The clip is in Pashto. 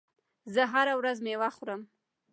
زه هره ورځ میوه خورم.